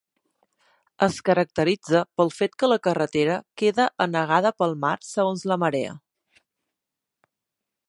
Es caracteritza pel fet que la carretera queda anegada pel mar segons la marea.